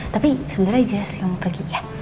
tapi sebenernya jess yang mau pergi ya